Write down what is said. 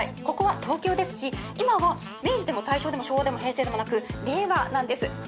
ここは東京ですし今は明治でも大正でも昭和でも平成でもなく令和なんです。